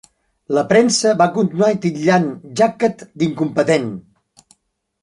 La premsa va continuar titllant Jacquet d'incompetent.